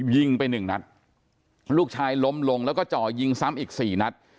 ยิงไป๑นัดลูกชายล้มลงแล้วก็จ่อยยิงซ้ำอีก๔นัด